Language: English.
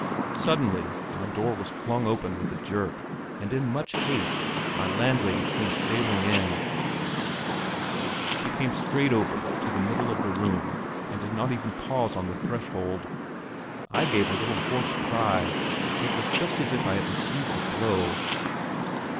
Suddenly my door was flung open with a jerk and in much haste; my landlady came sailing in. She came straight over to the middle of the room, she did not even pause on the threshold. I gave a little hoarse cry; it was just as if I had received a blow.